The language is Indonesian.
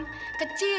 ketika dia ke sini